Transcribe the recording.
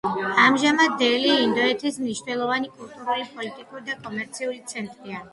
ამჟამად დელი ინდოეთის მნიშვნელოვანი კულტურული, პოლიტიკური და კომერციული ცენტრია.